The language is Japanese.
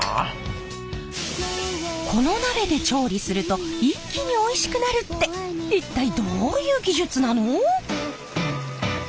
この鍋で調理すると一気においしくなるって一体どういう技術なの！？